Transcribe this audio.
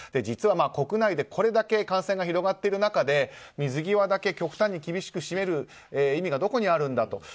実は国内でこれだけ感染が広がっている中で水際だけ極端に締める意味がどこにあるんだと。